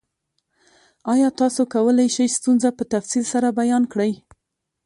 ایا تاسو کولی شئ ستونزه په تفصیل سره بیان کړئ؟